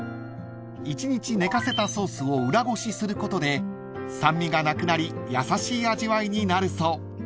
［１日寝かせたソースを裏ごしすることで酸味がなくなり優しい味わいになるそう］